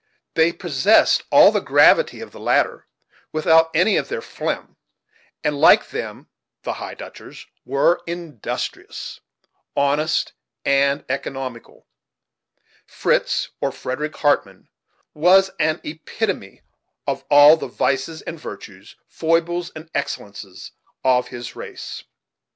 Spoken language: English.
They possessed all the gravity of the latter, without any of their phlegm; and like them, the "High Dutchers" were industrious, honest, and economical, Fritz, or Frederick Hartmann, was an epitome of all the vices and virtues, foibles and excellences, of his race.